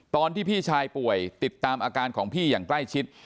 พี่ชายป่วยติดตามอาการของพี่อย่างใกล้ชิด